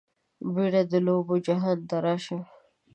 بیرته د لوبو جهان ته راشه